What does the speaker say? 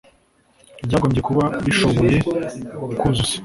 ryagombye kuba rishoboye kuzuza